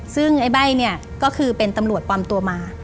ซึ่งไอ้ใบ้เนี่ยก็คือเป็นตำรวจปลอมตัวมา